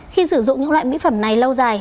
khi sử dụng những loại mỹ phẩm này lâu dài